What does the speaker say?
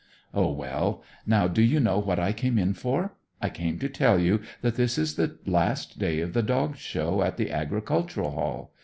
"Oh, well! Now do you know what I came in for? I came to tell you that this is the last day of the Dog Show at the Agricultural Hall.